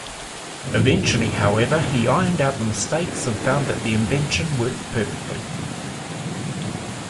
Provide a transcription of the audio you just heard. Eventually, however, he ironed out the mistakes and found that the invention worked perfectly.